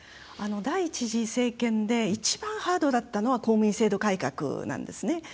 第１次政権で一番ハードだったのは公務員制度改革なんですね。